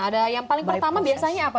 ada yang paling pertama biasanya apa